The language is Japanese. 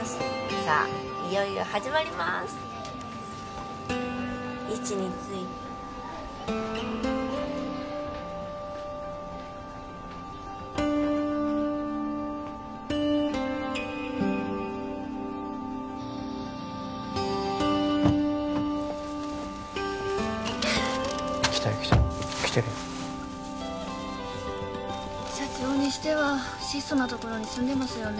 「さあいよいよはじまります」「いちについて！」来たよ来たよ来てるよ社長にしては質素なところに住んでますよね